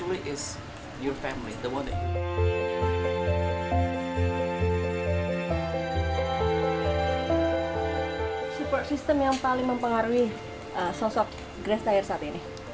support system yang paling mempengaruhi sosok grace tayer saat ini